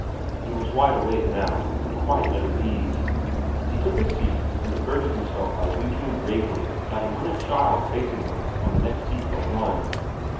He was wide awake now, and quite at his ease. He took his seat, and diverted himself by winking gravely at a little child facing him on the next seat but one.